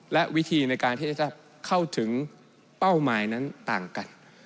และวิธีในการที่จะเข้าถึงเป้าหมายนั้นต่างกัน